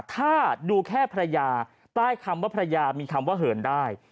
ถ้าดูแค่ภรรยาใต้คำว่าภรรยามีคำว่าเหินได้